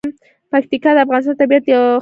پکتیکا د افغانستان د طبیعت د ښکلا برخه ده.